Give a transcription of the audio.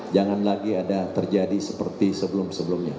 jangan lagi ada terjadi seperti sebelum sebelumnya